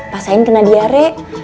pasain kena diare